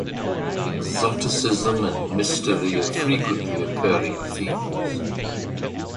Exoticism and mystery are frequently occurring themes.